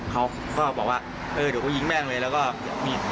เค้าก็บอกว่าเออเดี๋ยวเค้าหลงยิงแม่งเหมือนแล้วก็พลิก